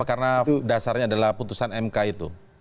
karena dasarnya adalah putusan mk itu